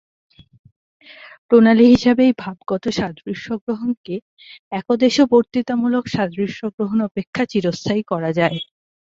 প্রণালী হিসাবে এই ভাবগত সাদৃশ্যগ্রহণকে একদেশবর্তিতামূলক সাদৃশ্যগ্রহণ অপেক্ষা চিরস্থায়ী করা যায়।